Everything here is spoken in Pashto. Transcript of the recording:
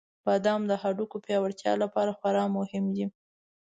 • بادام د هډوکو پیاوړتیا لپاره خورا مهم دی.